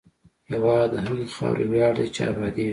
هېواد د هغې خاورې ویاړ دی چې ابادېږي.